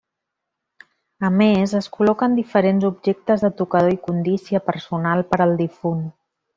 A més es col·loquen diferents objectes de tocador i condícia personal per al difunt.